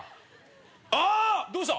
あ‼どうした？